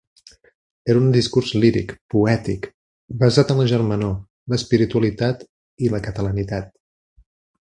Era un discurs líric, poètic, basat en la germanor, l’espiritualitat i la catalanitat.